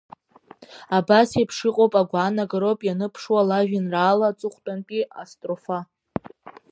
Абас еиԥш иҟоу агәаанагароуп ианыԥшуа лажәеинраала аҵыхәтәантәи астрофа…